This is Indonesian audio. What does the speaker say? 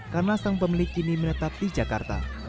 karena sang pemilik kini menetap di jakarta